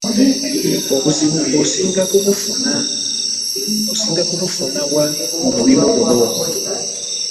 Obuzibu osinga kubufuna wa mu mulimu guno?